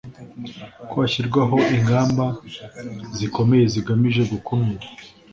ko hashyirwaho ingamba zikomeye zigamije gukumira